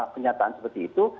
penyataan seperti itu